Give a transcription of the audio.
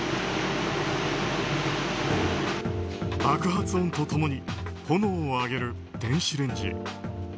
爆発音と共に炎を上げる電子レンジ。